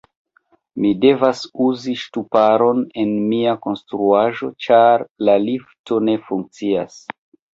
Mi devas uzi ŝtuparon en mia konstruaĵo ĉar la lifto ne funkcias